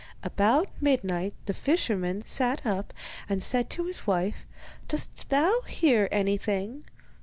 About midnight the fisherman sat up, and said to his wife: 'Dost thou hear anything?